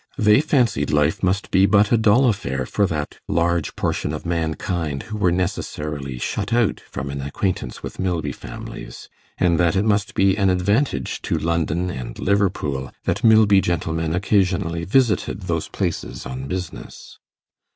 They fancied life must be but a dull affair for that large portion of mankind who were necessarily shut out from an acquaintance with Milby families, and that it must be an advantage to London and Liverpool that Milby gentlemen occasionally visited those places on business.